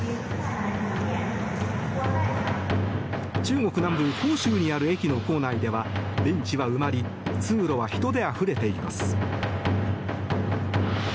中国南部広州にある駅の構内ではベンチは埋まり通路は人であふれています。